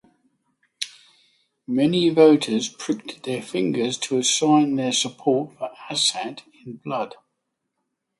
Many voters pricked their fingers to sign their support for Assad in blood.